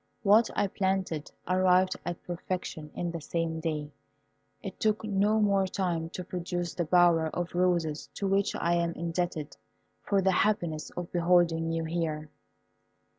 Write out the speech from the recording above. What I planted arrived at perfection in the same day. It took no more time to produce the bower of roses to which I am indebted for the happiness of beholding you here.